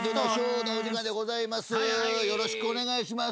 よろしくお願いします。